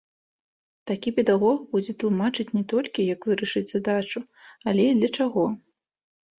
Такі педагог будзе тлумачыць не толькі, як вырашыць задачу, але і для чаго.